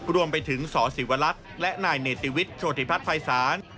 รวมไปถึงสศิวรักษ์และนเนติวิชโชธิพัทธ์ฝ่ายศาล